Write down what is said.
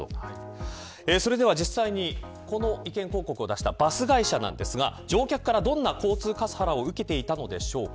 それでは実際にこの意見広告を出したバス会社ですが乗客からどんな交通カスハラを受けていたのでしょうか。